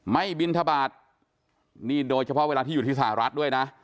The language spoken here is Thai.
บินทบาทนี่โดยเฉพาะเวลาที่อยู่ที่สหรัฐด้วยนะ